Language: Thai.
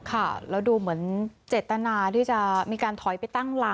ค่ะแล้วดูเหมือนเจตนาที่จะมีการถอยไปตั้งหลัก